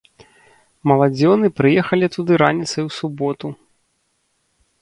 Маладзёны прыехалі туды раніцай у суботу.